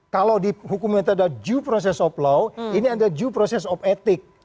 kalau di hukumnya itu ada due process of law ini ada due process of etik